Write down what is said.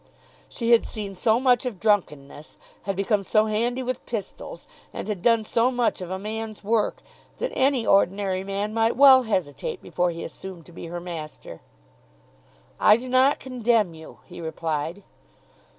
She had seen so much of drunkenness, had become so handy with pistols, and had done so much of a man's work, that any ordinary man might well hesitate before he assumed to be her master. "I do not condemn you," he replied.